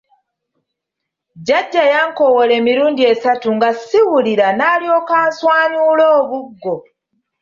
Jjajja yankowoola emirundi essatu nga siwulira n’alyokka answanyuula obuggo.